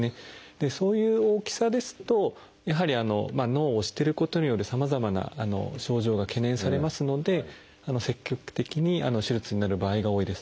でそういう大きさですとやはり脳を押してることによるさまざまな症状が懸念されますので積極的に手術になる場合が多いです。